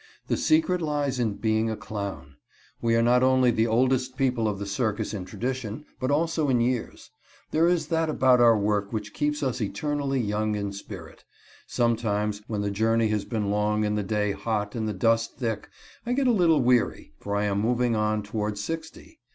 The secret lies in being a clown. We are not only the oldest people of the circus in tradition, but also in years. There is that about our work which keeps us eternally young in spirit. Sometimes when the journey has been long and the day hot and the dust thick, I get a little weary, for I am moving on towards sixty.